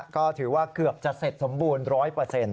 ก็ถือว่าเกือบจะเสร็จสมบูรณ์๑๐๐